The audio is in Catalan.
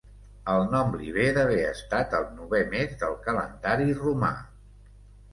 El nom li ve d'haver estat el novè mes del calendari romà.